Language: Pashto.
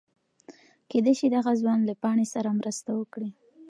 کېدی شي دغه ځوان له پاڼې سره مرسته وکړي.